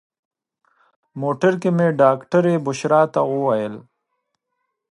موټر کې مې ډاکټرې بشرا ته وویل.